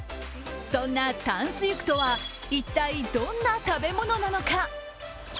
そんなタンスユクとは一体どんな食べ物なのか。